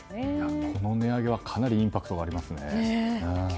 この値上げはかなりインパクトがありますね。